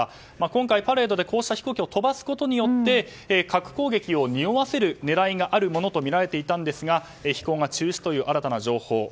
今回パレードでこうした飛行機を飛ばすことによって核攻撃をにおわせる狙いがあるものとみられていたんですが飛行が中止という新たな表情。